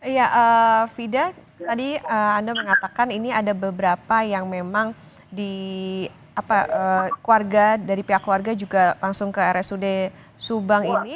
ya fida tadi anda mengatakan ini ada beberapa yang memang di keluarga dari pihak keluarga juga langsung ke rsud subang ini